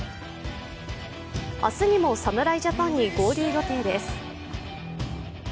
明日にも侍ジャパンに合流予定です。